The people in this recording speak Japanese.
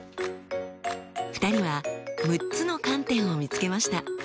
２人は６つの観点を見つけました。